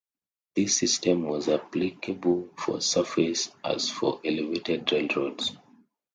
This system was as applicable for surface as for elevated railroads.